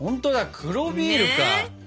黒ビールね。